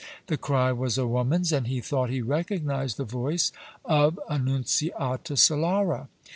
The cry was a woman's, and he thought he recognized the voice, of Annunziata Solara.